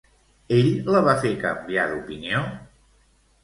Ell la va fer canviar d'opinió?